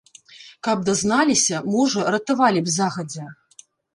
Каб дазналіся, можа, ратавалі б загадзя.